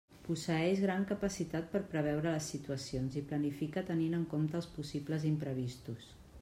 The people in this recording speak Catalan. Posseeix gran capacitat per preveure les situacions i planifica tenint en compte els possibles imprevistos.